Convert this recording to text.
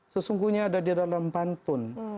sesungguhnya ada di dalam pantun